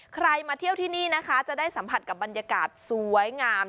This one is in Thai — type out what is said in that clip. มาเที่ยวที่นี่นะคะจะได้สัมผัสกับบรรยากาศสวยงาม